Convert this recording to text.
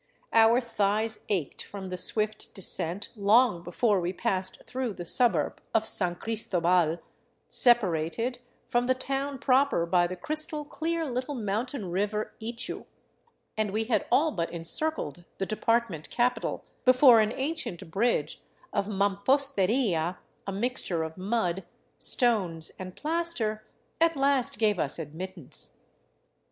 Our thighs ached from the swift descent long be fore we passed through the suburb of San Cristobal, separated from the town proper by the crystal clear little mountain river, Ichu, and we had all but encircled the department capital before an ancient bridge of mamposteria, a mixture of mud, stones, and plaster, at last gave us admittance.